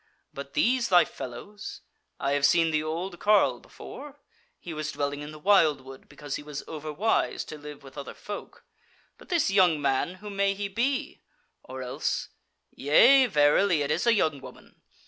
But these thy fellows? I have seen the old carle before: he was dwelling in the wildwood because he was overwise to live with other folk. But this young man, who may he be? Or else yea, verily, it is a young woman.